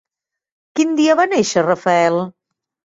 Quin dia va nàixer Rafael?